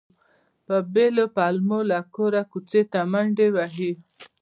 په بېلو پلمو له کوره کوڅې ته منډې وهلې.